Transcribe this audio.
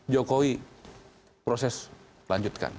jokowi proses lanjutkan